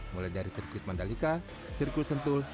mulai dari sirkuit mandalika sirkuit sentul